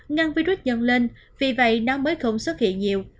ngăn virus dần lên vì vậy nó mới không xuất hiện nhiều